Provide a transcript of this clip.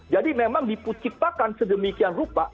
jadi memang dipucipakan sedemikian rupa